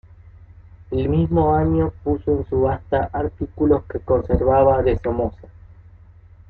El mismo año puso en subasta artículos que conservaba de Somoza.